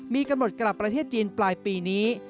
มีกำหนดกลับประเทศจีนปลายปีนี้